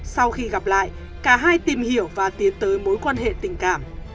sau khi gặp lại cả hai tìm hiểu và tiến tới mối quan hệ tình cảm